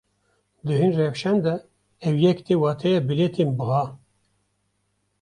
Di hin rewşan de ev yek tê wateya bilêtên biha.